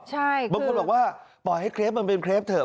บางคนบอกว่าปล่อยให้เครปมันเป็นเครปเถอ